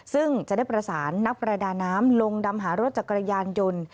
ซึ่งจะได้ประสานนักประดาน้ำลงดำหารถจักรยานยนต์